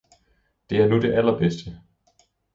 Det er nu det allerbedste!